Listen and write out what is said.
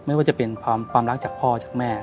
ไม่ว่าจะเป็นความรักจากพ่อจากแม่